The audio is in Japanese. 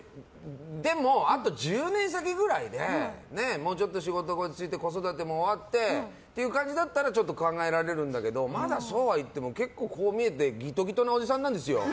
でもあと１０年先くらいでもうちょっと仕事が落ち着いて子育ても終わってって感じだったらちょっと考えられるんだけどまだそうはいってもこう見えてギトギトのおじさんなんですよ。